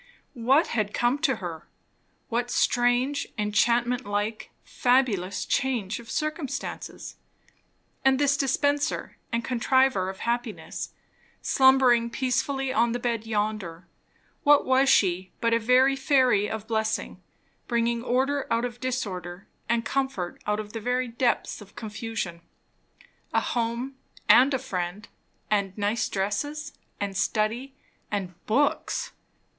What had come to her? what strange, enchantment like, fabulous, change of circumstances? and this dispenser and contriver of happiness, slumbering peacefully on the bed yonder, what was she but a very fairy of blessing, bringing order out of disorder and comfort out of the very depths of confusion. A home, and a friend, and nice dresses, and study, and books!